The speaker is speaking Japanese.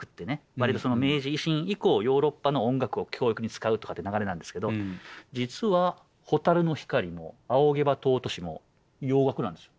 わりと明治維新以降ヨーロッパの音楽を教育に使うとかって流れなんですけど実は「蛍の光」も「仰げば尊し」も洋楽なんですよ。